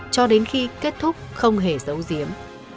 cho đến khi kết thúc không hề giấu giếm